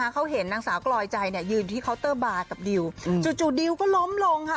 เขาเห็นนางสาวกลอยใจยืนที่เคาน์เตอร์บาร์กับดิวจู่ดิวก็ล้มลงค่ะ